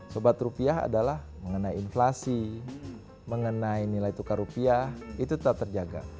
sebab rupiah adalah mengenai inflasi mengenai nilai tukar rupiah itu tetap terjaga